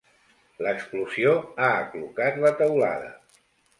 L'explosió ha aclucat la teulada.